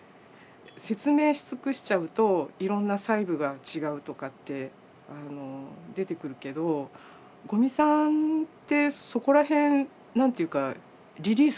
説明し尽くしちゃうといろんな細部が違うとかって出てくるけど五味さんってそこらへん何て言うかリリースしますよね。